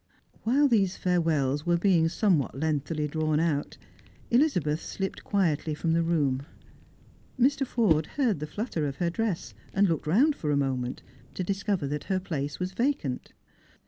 While these farewells were being somewhat lengthily drawn out, Elizabeth slipped quietly from the room. Mr. Forde heard the flutter of her dress, and looked round for a moment, to dis cover that her place was vacant.